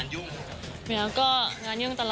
อย่างงานยุ่ง